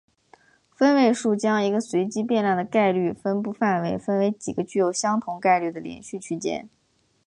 分位数将一个随机变量的概率分布范围分为几个具有相同概率的连续区间。